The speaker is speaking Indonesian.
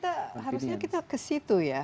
kita harusnya kita ke situ ya